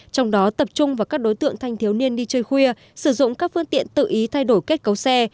trong đó tập trung vào các đối tượng thanh thiếu niên đi chơi khuya sử dụng các phương tiện tự ý thay đổi kết cấu xe